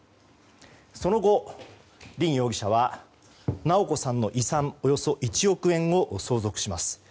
その後、凜容疑者は直子さんの遺産およそ１億円を相続します。